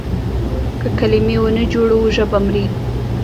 که کلمې ونه جوړو ژبه مري.